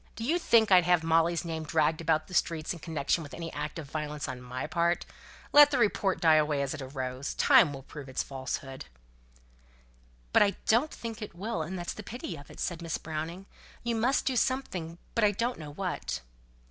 Do you think I'd have Molly's name dragged about the streets in connection with any act of violence on my part? Let the report die away as it arose. Time will prove its falsehood." "But I don't think it will, and that's the pity of it," said Miss Browning. "You must do something, but I don't know what."